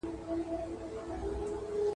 • تر کورني سړي، گښته خر ښه دئ.